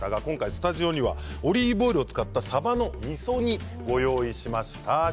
スタジオにはオリーブオイルを使ったさばのみそ煮をご用意しました。